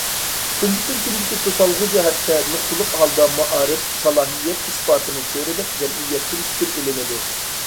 تۇنجى تۈركۈمدىكى« توسالغۇ» جەھەتتە، نۇقتىلىق ھالدا مائارىپ، سالاھىيەت ئىسپاتىنى چۆرىدەپ جەمئىيەتتىن پىكىر ئېلىنىدۇ.